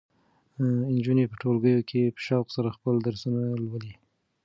نجونې په ټولګیو کې په شوق سره خپل درسونه لولي.